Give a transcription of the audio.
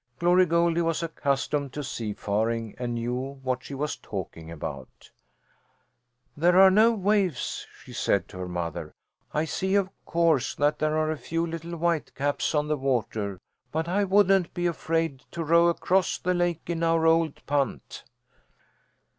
Glory Goldie was accustomed to seafaring and knew what she was talking about. "These are no waves," she said to her mother. "I see of course that there are a few little whitecaps on the water, but I wouldn't be afraid to row across the lake in our old punt."